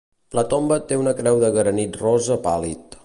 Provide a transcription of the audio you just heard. La tomba té una creu de granit rosa pàl·lid.